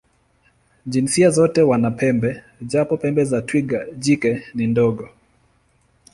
Jinsia zote wana pembe, japo pembe za twiga jike ni ndogo.